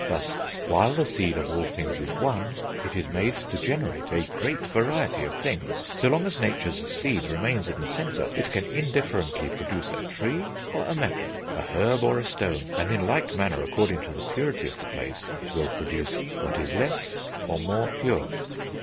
Thus, while the seed of all things is one, it is made to generate a great variety of things.... So long as Nature's seed remains in the centre it can indifferently produce a tree or a metal, a herb or a stone, and in like manner, according to the purity of the place, it will produce what is less or more pure."